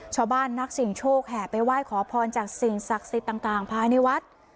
ชาวบ้านนักเสียงโชคแห่ไปไหว้ขอพรจากสิ่งศักดิ์สิทธิ์ต่างภายในวัด